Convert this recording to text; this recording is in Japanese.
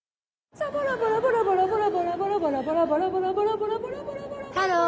「サバラバラバラバラバラバラバラバラバラバラバラバラバラバラバラ」ハロー！